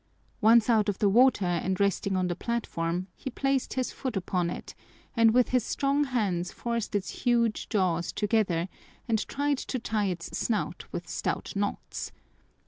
Once out of the water and resting on the platform, he placed his foot upon it and with his strong hands forced its huge jaws together and tried to tie its snout with stout knots.